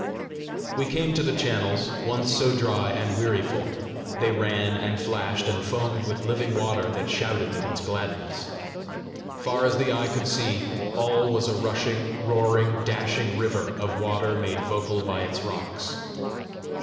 We came to the channels, once so dry and wearyful: they ran and flashed and foamed with living water that shouted in its gladness! Far as the eye could see, all was a rushing, roaring, dashing river of water made vocal by its rocks.